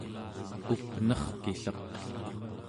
up'nerkilleq